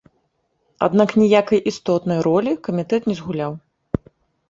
Аднак ніякай істотнай ролі камітэт не згуляў.